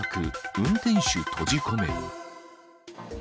運転手閉じ込め。